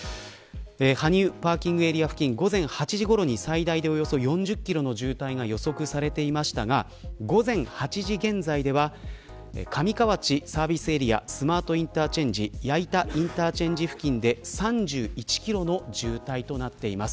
羽生パーキングエリア付近午前８時ごろに最大でおよそ４０キロの渋滞が予測されていましたが午前８時現在では上河内サービスエリアスマートインターチェンジ矢板インターチェンジ付近で３１キロの渋滞となっています。